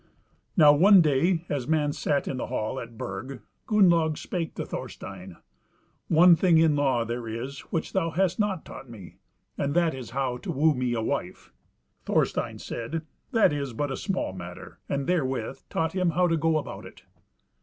Now one day, as men sat in the hall at Burg, Gunnlaug spake to Thorstein: "One thing in law there is which thou hast not taught me, and that is how to woo me a wife." Thorstein said, "That is but a small matter," and therewith taught him how to go about it.